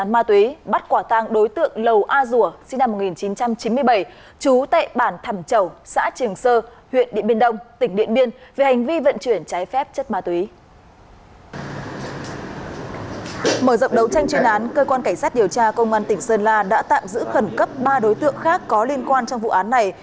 mở rộng đấu tranh trên án cơ quan cảnh sát điều tra công an tỉnh sơn la đã tạm giữ khẩn cấp ba đối tượng khác có liên quan trong vụ án này